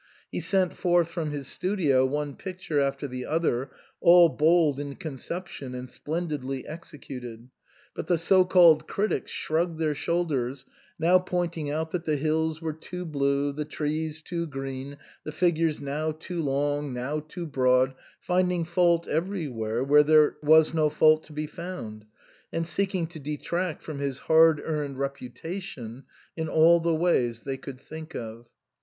He sent forth from his studio one picture after the other, all bold in concep tion, and splendidly executed ; but the so called critics shrugged their shoulders, now pointing out that the hills were too blue, the trees too green, the figures now too long, now too broad, finding fault everywhere where there was no fault to be found, and seeking to detract from his hard earned reputation in all the ways they could think of.